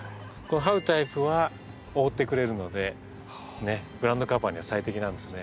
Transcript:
はうタイプは覆ってくれるのでグラウンドカバーには最適なんですね。